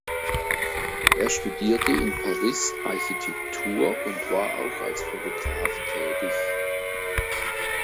Er studierte in Paris Architektur und war auch als Fotograf tätig.